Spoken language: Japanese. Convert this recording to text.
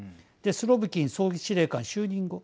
スロビキン総司令官就任後